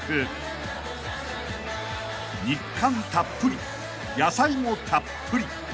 ［肉感たっぷり野菜もたっぷり］